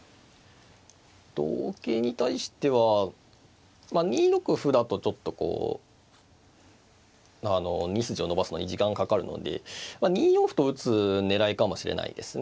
同桂に対しては２六歩だとちょっとこう２筋を伸ばすのに時間かかるので２四歩と打つ狙いかもしれないですね。